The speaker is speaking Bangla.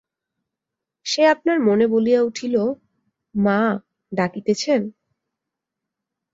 সে আপনার মনে বলিয়া উঠিল, মা ডাকিতেছেন!